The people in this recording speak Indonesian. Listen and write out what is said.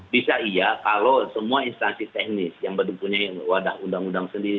bisa iya kalau semua instansi teknis yang mempunyai wadah undang undang sendiri